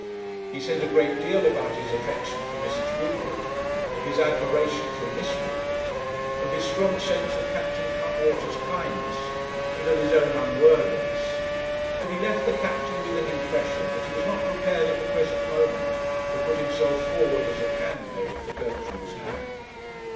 He said a great deal about his affection for Mrs. Woodward, of his admiration for Miss Woodward, of his strong sense of Captain Cuttwater's kindness, and of his own unworthiness; but he left the captain with an impression that he was not prepared at the present moment to put himself forward as a candidate for Gertrude's hand.